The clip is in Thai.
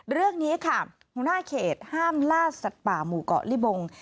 เรื่องนี้ค่ะหัวหน้าเขตห้ามล่าสัตว์ป่าหมู่เกาะลิบง